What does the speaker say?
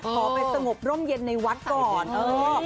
ขอไปตระ๙๐๐ในวัดตอนเออ